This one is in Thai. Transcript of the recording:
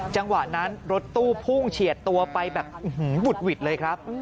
จังหวะนั้นรถตู้พุ่งเฉียดตัวไปแบบบุดหวิดเลยครับ